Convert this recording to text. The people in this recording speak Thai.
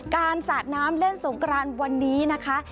สาดน้ำเล่นสงกรานวันนี้นะคะ